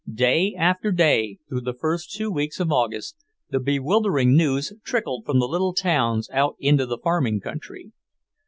Day after day, through the first two weeks of August, the bewildering news trickled from the little towns out into the farming country.